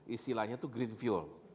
istilahnya itu green fuel